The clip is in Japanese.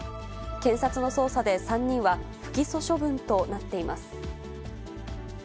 検察の捜査で３人は不起訴処分となっています。